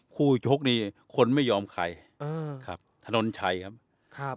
คู่ชกนี่คนไม่ยอมใครครับถนนชัยครับ